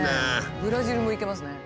ブラジルも行けますね。